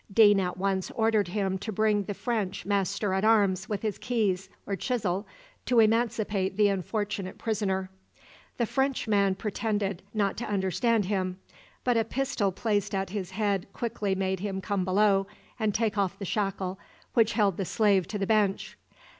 Deane at once ordered him to bring the French master at arms with his keys or chisel to emancipate the unfortunate prisoner. The Frenchman pretended not to understand him, but a pistol placed at his head quickly made him come below and take off the shackle which held the slave to the bench.